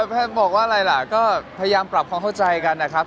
แพทย์บอกว่าอะไรล่ะก็พยายามปรับความเข้าใจกันนะครับ